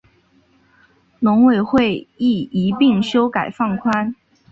农委会亦一并修法放宽